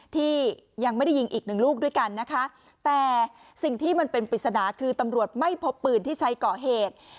ที่ยังไม่ได้ยิงอีกหนึ่งลูกด้วยกันนะคะแต่สิ่งที่มันเป็นปริศนาคือตำรวจไม่พบปืนที่ใช้ก่อเหตุ